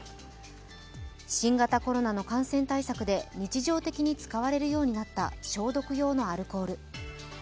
新型コロナの感染対策で日常的に使われるようになった消毒用のアルコール。